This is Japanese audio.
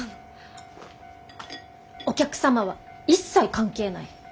「お客様は一切関係ない。